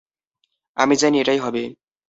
আমি জানি এটাই হবে।